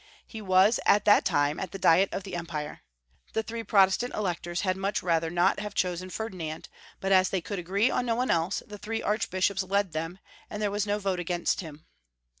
He was at that time at the Diet of the Empire. The three Prot estant Electors had much rather not have chosen Ferdinand, but as they could agree on no one else, the three Archbishops led them, and there was no vote against liim.